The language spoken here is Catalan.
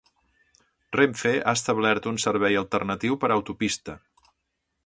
Renfe ha establert un servei alternatiu per autopista.